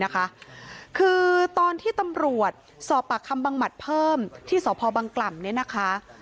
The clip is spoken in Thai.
คือตอนที่ตำรวจสอบปากคำบางหมัดเพิ่มที่สพบังกล่ำ